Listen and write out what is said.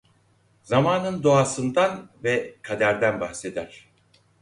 Zamanın doğasından ve kaderden bahseder.